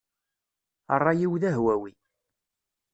Ṛṛay-iw d ahwawi.